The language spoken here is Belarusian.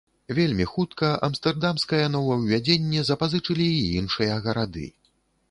Вельмі хутка амстэрдамскае новаўвядзенне запазычылі і іншыя гарады.